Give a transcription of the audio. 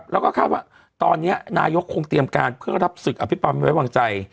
แล้วก็คาดว่าตอนนี้นายกคงเตรียมการเพื่อรับศึกอภิปันไว้วางใจ